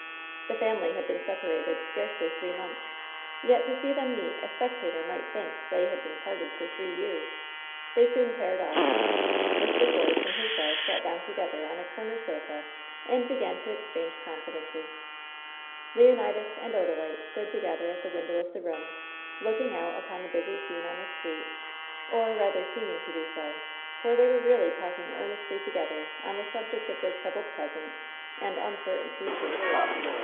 The family had been separated scarcely three months, yet to see them meet a spectator nciight think they had been parted for three years. They soon paired off. Mr. Force and his wife sat down together on a comer sofa and began to exchange confidences. Leonidas and Odalite stood together at the window of the room, looking out upon the busy scene on the street, or rather seeming to do so, for they were really talking earnestly together on the subject of their troubled pres ent and uncertain future.